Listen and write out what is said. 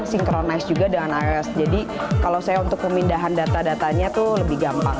synchronize juga dengan ios jadi kalau saya untuk pemindahan data datanya itu lebih gampang